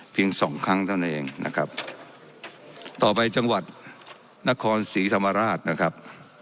สองครั้งเท่านั้นเองนะครับต่อไปจังหวัดนครศรีธรรมราชนะครับ